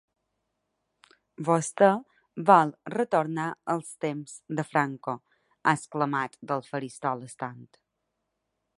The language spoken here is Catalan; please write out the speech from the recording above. Vostè vol retornar als temps de Franco, ha exclamat del faristol estant.